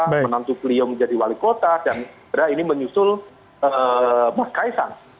menantu beliau menjadi wali kota dan sebenarnya ini menyusul mas kaisang